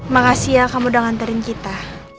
makasih ya kamu udah nganterin kita